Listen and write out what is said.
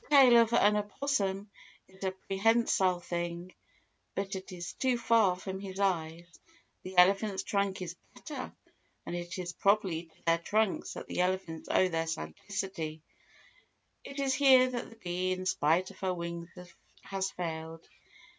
The tail of an opossum is a prehensile thing, but it is too far from his eyes—the elephant's trunk is better, and it is probably to their trunks that the elephants owe their sagacity. It is here that the bee in spite of her wings has failed.